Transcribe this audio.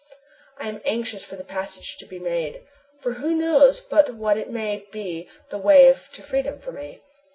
I am anxious for the passage to be made, for who knows but what it may be the way to freedom for me?